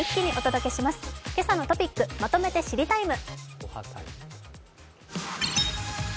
「けさのトピックまとめて知りＴＩＭＥ，」。